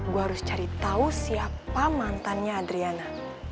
gua harus cari tau siapa mantannya adriana